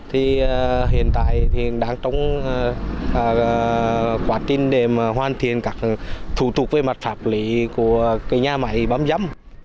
hiện tại đang trong quá trình để hoàn thiện các thủ tục về mặt pháp lý của nhà máy bấm răm